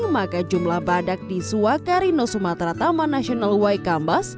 maka jumlah badak di suwakarino sumatera taman nasional waikambas